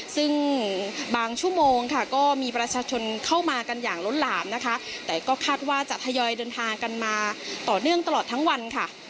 ซึ่งบางชั่วโมงค่ะก็มีประชาชนเข้ามากันอย่างล้นหลามนะคะแต่ก็คาดว่าจะทยอยเดินทางกันมาต่อเนื่องตลอดทั้งวันค่ะ